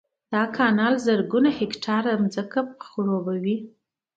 دا کانال زرګونه هکټاره ځمکه خړوبوي